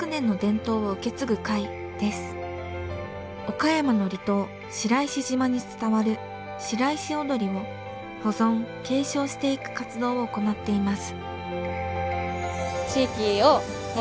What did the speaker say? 岡山の離島白石島に伝わる白石踊を保存・継承していく活動を行っています。